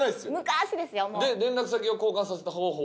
で連絡先を交換させた方法